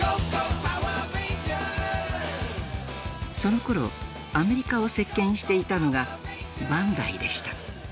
そのころアメリカを席けんしていたのがバンダイでした。